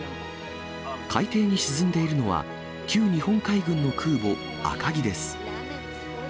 海底に沈んでいるのは、旧日本海軍の空母赤城です。